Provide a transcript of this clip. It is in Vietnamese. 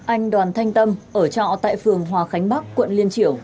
anh đoàn thanh tâm ở trọ tại phường hòa khánh bắc quận liên triểu